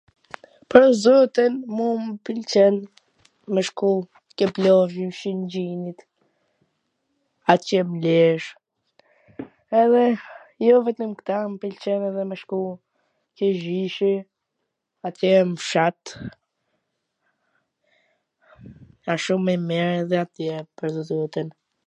Pwr zotin, mu m pwlqen me shku ke plazhi i Shwngjinit, atje m Lezh, edhe jo vetwm kta, m pwlqen edhe me shku te gjyshi, atje m fshat, a shum e mir edhe atje pwr zotin